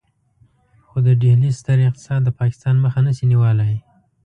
خو د ډهلي ستر اقتصاد د پاکستان مخه نشي نيولای.